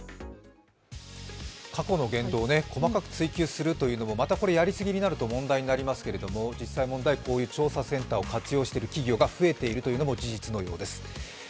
過去の言動を細かく追及するというのも、またやりすぎになると問題になりますけども、実際問題、こういう調査センターを活用している企業が増えているというのも事実のようです。